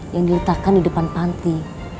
yang diletakkan di depan panti